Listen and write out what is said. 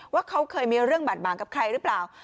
ว่าเขาเคยมีเรื่องบาดหมางกับใครหรือเปล่า